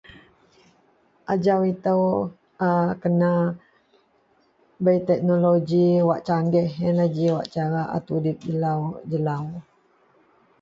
Ajau ito bei teknologi wak canggih yian lah ji cara a tudip jelau-jelau.